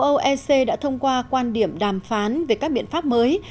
who đã thông qua quan điểm đàm phán về các biện pháp mới